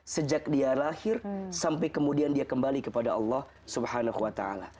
sejak dia lahir sampai kemudian dia kembali kepada allah swt